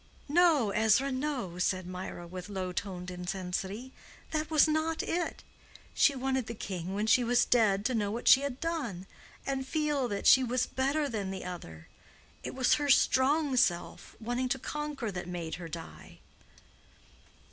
"No, Ezra, no," said Mirah, with low toned intensity, "that was not it. She wanted the king when she was dead to know what she had done, and feel that she was better than the other. It was her strong self, wanting to conquer, that made her die."